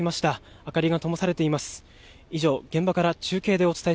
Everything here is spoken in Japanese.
明かりがともされています。